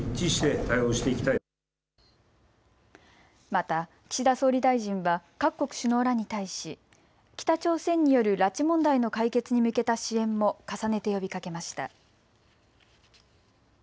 また岸田総理大臣は各国首脳らに対し北朝鮮による拉致問題の解決に向けた支援も重ねて呼びかけました。